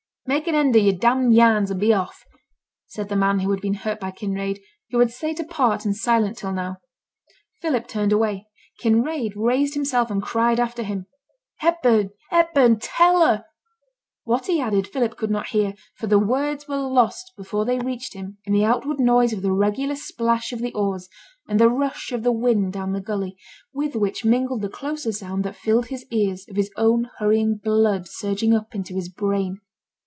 'Make an end of yo'r d d yarns, and be off,' said the man who had been hurt by Kinraid, and who had sate apart and silent till now. Philip turned away; Kinraid raised himself and cried after him, 'Hepburn, Hepburn! tell her ' what he added Philip could not hear, for the words were lost before they reached him in the outward noise of the regular splash of the oars and the rush of the wind down the gully, with which mingled the closer sound that filled his ears of his own hurrying blood surging up into his brain.